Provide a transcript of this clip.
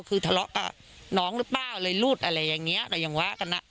คือทะเลาะกับน้องหรือเปล่าลื่นรุดอะไรอย่างนี้มันยังวะ